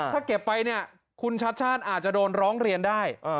ถ้าเก็บไปเนี่ยคุณชัดชาติอาจจะโดนร้องเรียนได้